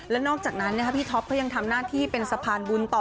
แล้วนอกจากนั้นพี่ท็อปก็ยังทำหน้าที่เป็นสะพานบุญต่อ